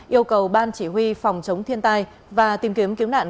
yêu cầu ban chỉ huy phòng chống thiên tai và tìm kiếm cứu nạn